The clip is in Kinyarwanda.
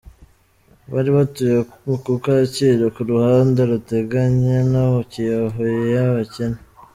Bari batuye ku Kacyiru, ku ruhande ruteganye no mu Kiyovu cy’abakene.